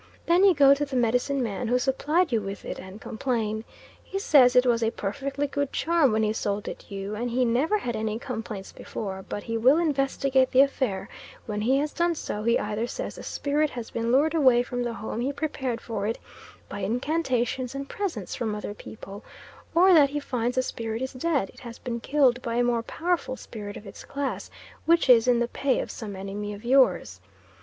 Then you go to the medicine man who supplied you with it and complain. He says it was a perfectly good charm when he sold it you and he never had any complaints before, but he will investigate the affair; when he has done so, he either says the spirit has been lured away from the home he prepared for it by incantations and presents from other people, or that he finds the spirit is dead; it has been killed by a more powerful spirit of its class, which is in the pay of some enemy of yours.